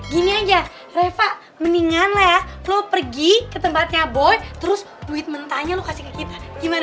gini aja reva mendingan lah ya lo pergi ke tempatnya boy terus duit mentahnya lo kasih ke kita gimana